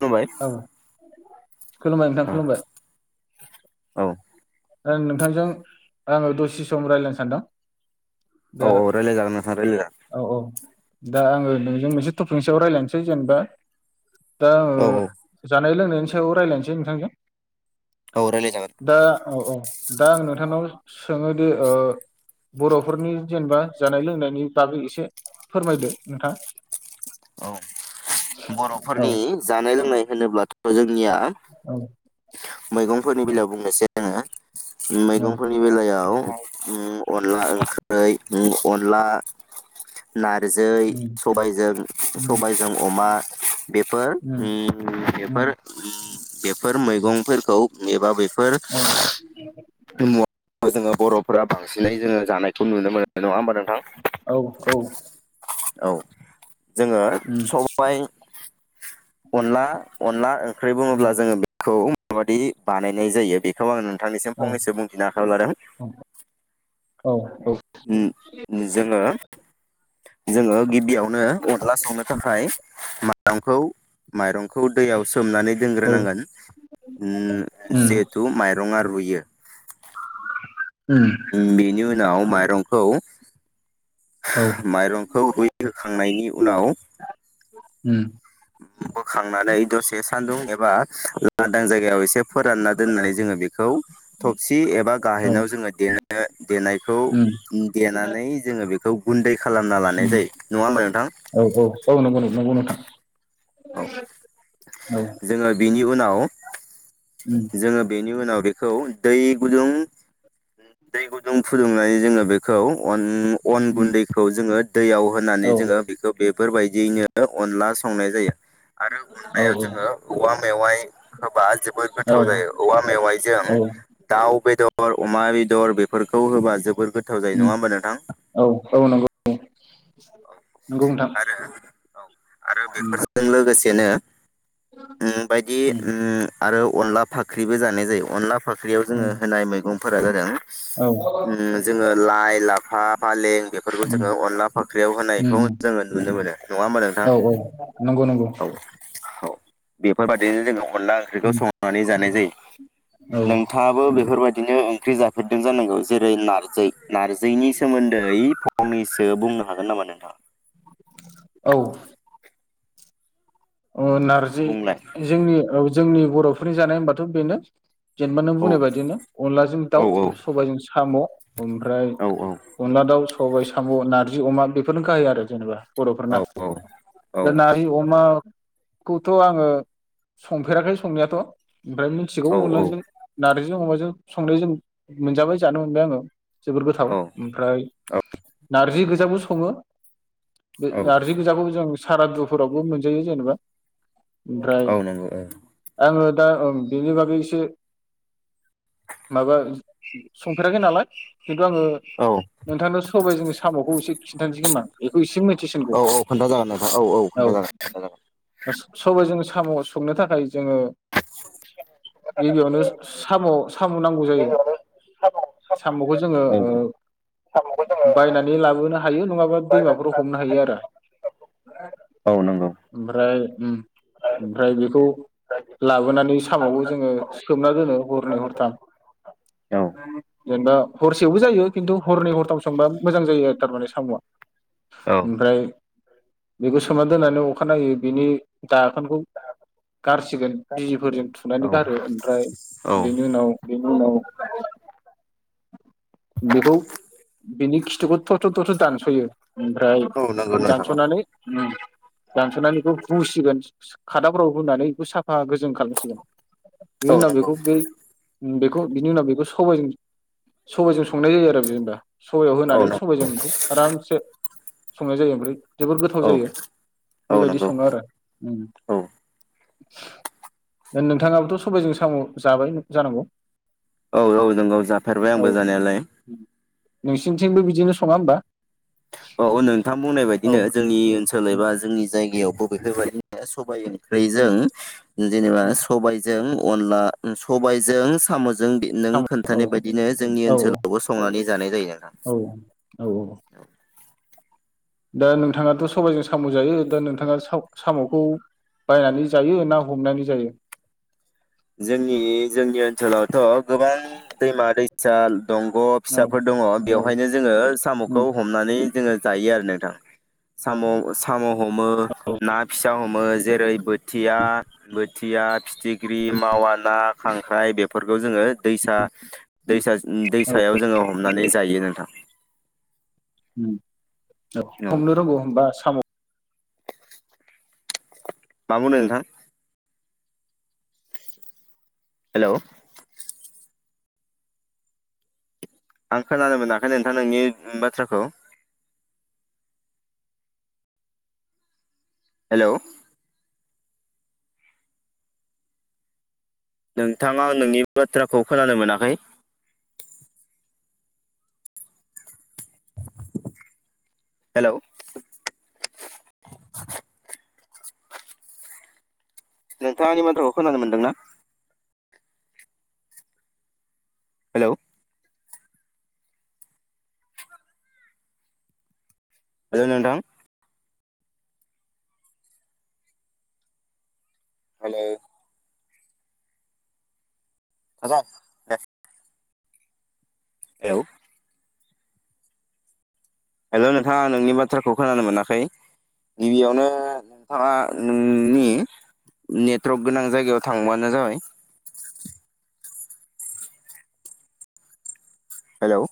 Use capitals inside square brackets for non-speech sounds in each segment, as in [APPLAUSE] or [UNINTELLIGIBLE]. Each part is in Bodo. खुलुमबाय औ खुलुमबाय नोंथां औ खुलुमबाय । औ ओ नोंथांजों आङो दसे सम रायज्लायनो सानदों । औ औ रायलायजागोन नोंथां रायलायजागोन औ औ । दा आङो नोंजों मोनसे टपिकनि सायाव रायज्लायनोसै जेनेबा दा ओ औ औ जा नाय लोंनायनि सायाव रायलायनोसै नोंथांजों। औ रायलायजागोन। अ दा आं नोंथांनाव सोङोदिे ओ बर'फोरनि जेनेबा जानाय लोंनायनि बागै एसे फोरमायदो नोंथां? औ औ बर'फोरनि जानाय लोंनाय होनोब्लाथ' जों निया औ मैगंफोरनि बेलायाव बुंनोसै आङो औ मैगंफोरनि बेलायाव उम अनला ओंखै उम अनला नारजै उम सबायजों उम सबायजों अमा बेफोर उम बेफोर उम बेफोर मैगंफोरखौ एबा बेफ फोर बे मुवा ओज जोङो बर'फोरा बांसिनै जोङो जानायखौ नुनो मोनो नङा होमबा नो औ औ औ जोङो उम सबाय अनला अनला ओं ख्रै बुङोब्ला उम जोङो बेखौ माबादि बानायनाय जायो बेखौ आन थांनिसिम औ फंनैसो बुंथिनो आखायाव लादों। औ औ। औ उम उम जोङो जोङो गिबियाव नो अनला संनो थाखाय मा [UNINTELLIGIBLE] खौ माइरं खौ दैयाव सोमनानै औ दोनग्रोनांगोन उम उम जिहेथु माइरं आर रुयो उम बेनि उनाव माइरंखौ औ माइरंखौ रुयहोखांनायनि उनाव उम उम बोखांनानै दसे सान्दुं एबा लांदां जाय गायाव एसे फोरानना दोननाय जोङो बेखौ थबसि एबा औ गाहेनाव जोङो दे [UNINTELLIGIBLE] देनायखौ उम देनानै जोङो बेखौ गुन्दै खालामना लानाय जायो नङा होमबा नोंथां औ औ औ नंगौ नों नंगौ नोंथां। औ औ जोङो बेनि उनाव उम जोङो बेन नि उनाव बेखौ दै गुदुं दै गुदुं फुदुंनानै जोङो बेखौ अन अन उम गुन्दैखौ जोङो दैयाव होनानै औ जोङो बेखौ बेफोरबायदियैनो अनला संनाय जायो। आरो औ अनलायाव जोङो औवा मेवाइ होबा जोबोद गो औ थाव जायो। औवा मेवाइजों औ दाउ बेदर अमा बेदर बेफोरखौ होबा जोबोर गोथाव जायो उम नङा होमबा नोंथां? औ औ नंगौ औ नंगौ नोंथां आरो औ आरो उम बेफोरजों लोगोसे बेनो उम बायदि उम आरो अनला फाख्रिबो जानाय जायो अनला फाख्रियाव जोङो उम होनाय मैगं फोरा जादों। औ उम जोङो लाइ, लाफा, फालें बेफोरखौ उम जोङो अनला फाख्रियाव होनायखौ उम उम जोङो नुनो मोनो। नङा होमबा नोंथां? औ औ नंगौ नंगौ औ औ बेफोरबादिनो जोङो अनला ओंख्रिखौ उम सं बे जानाय जायो औ नोंथाङाबो बेफोर फोर बायदिनो ओंख्रि जाफेरदों जानांगौ जेरै- नारजि नारजिनि सोमोन्दै फंनैसो बुंनो हागोन नामा नोंथां? औ अ' नारजि बुंलाय जोंनि औ जोंनि बर'फोरनि जानाय होनबाथ' बेनो। जेनबा नों औ बुंनाय बायदिनो अनलाजों औ दाउ औ सबायाइजों साम'। ओमफ्राय औ अनला दाउ स सबाय, साम', नारजि, अमा बेफोरनो गाहाय आरो जेनेबा। औ बर'फोरना औ औ दा नारि अमा खौथ' आङो संफेराखै संनायाथ' । ओमफ्राय मिथिगौ औ अनलाजों नारजि जों अमाजों संनो जों मोनजाबाय जानो मोनबाय आङो। जोबोर गोथाव औ ओमफ्राय नारजि गो जाबो सङो। बे औ नारजि गोजाखौ जों सारादुफोरावबो मोनजायो जेनेबा। ओमफ्राय औ नंगौ औ आङो दा ओ बेनि बागै एसे माबा संफेराखै नालाय खिन्थु आङो औ नोंथांनाव सबाइजोंनि साम'खौ एसे खिन्थानोसै खोमा बेखौ एसे मिथिसिनगौ औ खोन्थाजागोन नोंथां औ। खोन्थाजागोन खोन्थाजागोन सबायजों साम' संनो थाखाय जोङो गिबियावनो साम' साम' नांगौ जायो साम'खौ जोङो औ ओ साम'खौ जोङो बायनानै लाबोनो हायो नङाबा बायनानै दैमाफोराव हमनो लाबोनो हायो आरो। औ नंगौ। ओमफ्राय ओम‌‌ ओमफ्राय बेखौ लाबोनानै साम'खौ जोङो सोबना दोनो हरनै हरथाम औ जेनेबा हरसेयावबो जायो खिन्थु हरनै हरथाम सोमबा मोजां जायो थारमाने साम'आ। औ ओमफ्राय बेखौ सोमोना दोननानै जायो बिनि दाखोनखौ गारसिगोन बिजिफोरजों थुनानै औ गारो ओमफ्राय औ बेनि उनाव बेनि उनाव बेखौ बिनि खिथुखौ थ' थ' थ' थ' दानसयो ओमफ्राय औ नंगौ नोंथां औ दानसनानै उम । दानसनानै बेखौ रुसिगोन [UNINTELLIGIBLE] खादाफ्राव रुनानै बेखौ साफा गोजों खालामसिगोन। बिनि औ उनाव नंगौ बेखौ बै बेखौ बिनि उनाव बेखौ सबायजों सबाइजों संनाय जायो आरो [UNINTELLIGIBLE] सबायाव औ होनानै नंगौ सबाइजों इखौ आरामसे संनाय जायो ओमफ्राय जबोर गोथाव औ जायो। औ बेबायदि नंगौ सङो आरो उम औ । नोंथाङाबोथ‌' सबाइजों साम जाबाय जानांगौ? औ औ नोंगौ जाफेरबाय औ आंबो जानायालाय । नोंसिनिथिंबो बिदिनो सङा होमबा? औ नोंथां बुंनाय औ बायदिनो जोंनि ओनसोल एबा जोंनि जि जायगायावबो बेफोरबायदिनो सबाय ओं ख्रैजों जेनेबा सबायजों अनला उम सबायजों सामजों नों साम' औ खोन्थानाय बायदिनो जोंनि औ ओनसोलावबो संनानै जानाय जायो आरो‌ना [INAUDIBLE] औ औ दा नोंथाङाथ‌ सबाइजों साम जायो दा नोंथाङा‌‌ साम सामखौ बायनानै जायो ना हमनानै जायो? जोंनि जोंनि ओनसोलावथ गोबां दैमा दैसा साल दंग‌ औ फिसाफोर दङ औ बेवहायनो जोङो औ सामखौ हमनानै जोङो जायो आरो नोंथां साम साम हमो ना फिसा हमो जेरै बोथिया बोथिया फिथिग्रि [UNINTELLIGIBLE] मावा ना खांख्राइ बेफोरखौ जोङो दै दैसा दैसा उम दैसायाव जोङो हमनानै जायो नोंथां उम औ हमनो रोंगौ हबा साम' मा बुंनो नोंथां हेलौ आं खोनानो मोनाखै नोंथां नोंनि ओ बाथ्राखौ हेलौ नोंथाङा नोंनि बाथ्राखौ खोनानो मोनाखै हेलौ नोंथाङनि माथ्राखौ खोनानो मोनदोंना? हेलौ [UNINTELLIGIBLE] नोथां हेलौ खाजा औ हेलौ नोंथाङा नोंनि बाथ्राखौ खोनानो मोनाखै गिबियावनो नोंथाङा नोंनि नेटवर्क गोनां जायगायाव थांबानो जाबाय हेलौ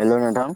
हेलौ नोंथां